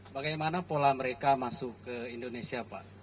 bagaimana pola mereka masuk ke indonesia pak